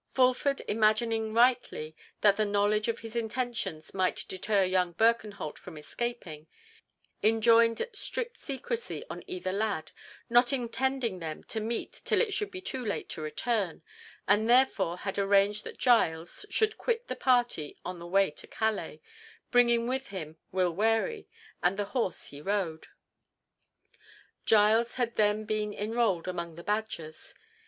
Fulford imagining rightly that the knowledge of his intentions might deter young Birkenholt from escaping, enjoined strict secrecy on either lad, not intending them to meet till it should be too late to return, and therefore had arranged that Giles should quit the party on the way to Calais, bringing with him Will Wherry, and the horse he rode. Giles had then been enrolled among the Badgers.